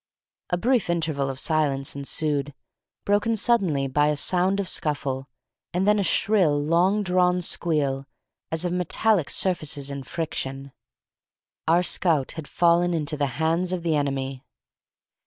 A brief interval of silence ensued, broken suddenly by a sound of scuffle, and then a shrill, long drawn squeal, as of metallic surfaces in friction. Our scout had fallen into the hands of the enemy!